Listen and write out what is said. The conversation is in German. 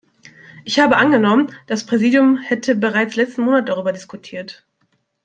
Ich habe angenommen, das Präsidium hätte bereits letzten Monat darüber diskutiert.